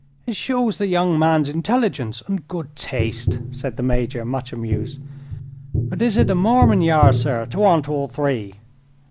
"It shows the young man's intelligence and good taste," said the Major, much amused. "But is it a Mormon ye are, sir, to want all three?"